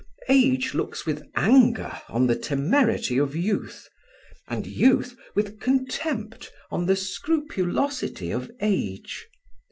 Age looks with anger on the temerity of youth, and youth with contempt on the scrupulosity of age.